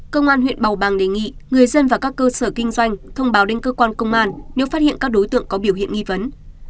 công an huyện bầu bàng đề nghị người dân và các cơ sở kinh doanh thông báo đến cơ quan công an nếu phát hiện các đối tượng có biểu hiện nghi vấn